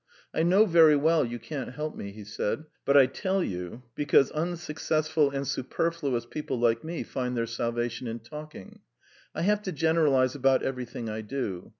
"I know very well you can't help me," he said. "But I tell you, because unsuccessful and superfluous people like me find their salvation in talking. I have to generalise about everything I do.